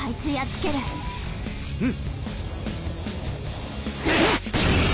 うん！